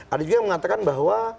ada juga yang mengatakan bahwa